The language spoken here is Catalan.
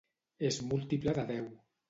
És múltiple de deu.